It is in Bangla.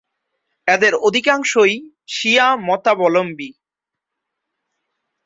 এদের অধিকাংশই শিয়া মতাবলম্বী।